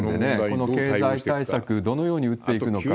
この経済対策、どのように打っていくのか。